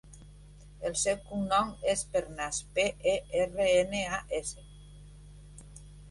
El seu cognom és Pernas: pe, e, erra, ena, a, essa.